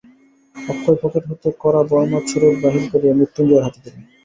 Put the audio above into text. অক্ষয় pocket হইতে কড়া Burma চুরোট বাহির করিয়া মৃত্যুঞ্জয়ের হাতে দিলেন।